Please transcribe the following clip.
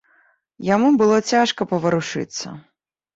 Яму было цяжка паварушыцца.